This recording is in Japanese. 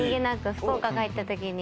福岡帰ったときに。